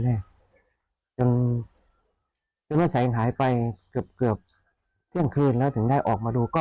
เนี่ยจนแสงหายไปเกือบเที่ยวคืนแล้วถึงได้ออกมาดูก็